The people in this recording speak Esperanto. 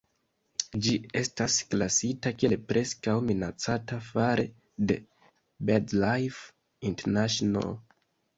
Ĝi estas klasita kiel "Preskaŭ Minacata" fare de Birdlife International.